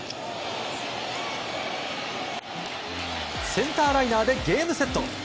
センターライナーでゲームセット。